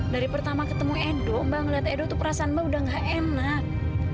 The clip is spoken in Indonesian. dari pertama ketemu edo mbak ngeliat edo tuh perasaan mbak udah gak enak